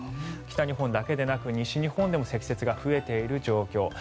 北日本だけでなく西日本でも積雪が増えている状況